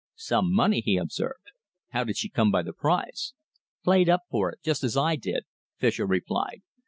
"Some money!" he observed. "How did she come by the prize?" "Played up for it, just as I did," Fischer replied.